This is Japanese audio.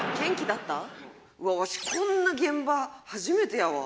わしこんな現場初めてやわ。